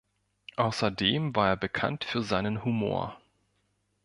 Außerdem war er bekannt für seinen Humor.